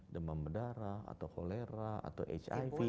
demam darah atau cholera atau hiv